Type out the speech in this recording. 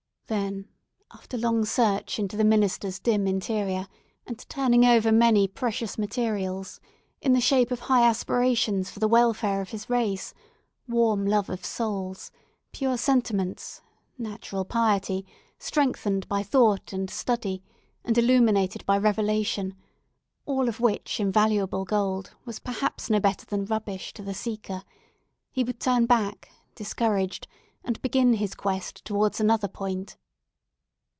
Then after long search into the minister's dim interior, and turning over many precious materials, in the shape of high aspirations for the welfare of his race, warm love of souls, pure sentiments, natural piety, strengthened by thought and study, and illuminated by revelation—all of which invaluable gold was perhaps no better than rubbish to the seeker—he would turn back, discouraged, and begin his quest towards another point.